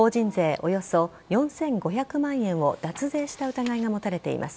およそ４５００万円を脱税した疑いが持たれています。